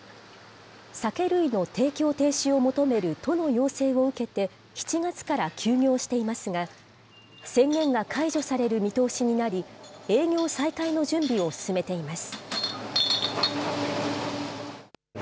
酒類の提供停止を求める都の要請を受けて、７月から休業していますが、宣言が解除される見通しになり、営業再開の準備を進めています。